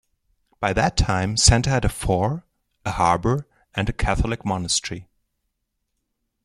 By that time Senta had a fort, a harbour and a catholic monastery.